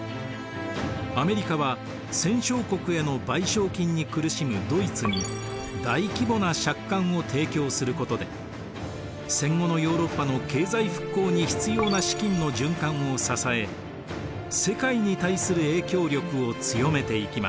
アメリカは戦勝国への賠償金に苦しむドイツに大規模な借款を提供することで戦後のヨーロッパの経済復興に必要な資金の循環を支え世界に対する影響力を強めていきます。